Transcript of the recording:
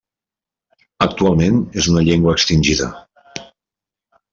Actualment és una llengua extingida.